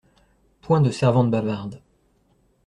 Point de servantes bavardes.